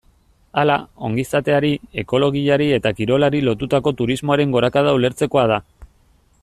Hala, ongizateari, ekologiari eta kirolari lotutako turismoaren gorakada ulertzekoa da.